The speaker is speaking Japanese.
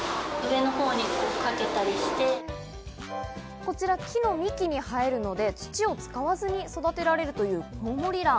こちら、木の幹に生えるので土を使わずに育てられるというコウモリラン。